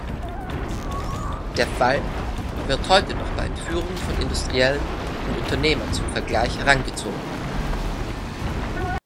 Der Fall wird heute noch bei Entführungen von Industriellen und Unternehmern zum Vergleich herangezogen.